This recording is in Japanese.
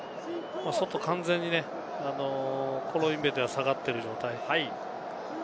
外、完全にコロインベテが下がっている状態。